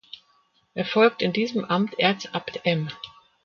Er folgt in diesem Amt Erzabt em.